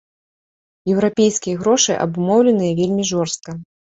Еўрапейскія грошы абумоўленыя вельмі жорстка.